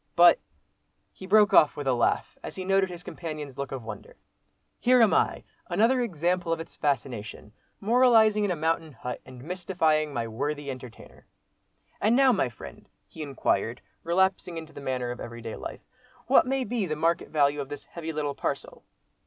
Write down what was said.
But—" he broke off with a laugh, as he noted his companion's look of wonder, "here am I, another example of its fascination, moralising in a mountain hut and mystifying my worthy entertainer." "And now, my friend!" he inquired, relapsing into the manner of everyday life, "what may be the market value of this heavy little parcel?"